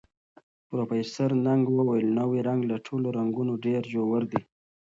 پروفیسر نګ وویل، نوی رنګ له ټولو رنګونو ډېر ژور دی.